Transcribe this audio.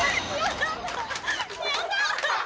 やったー！